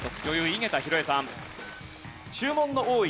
井桁弘恵さん。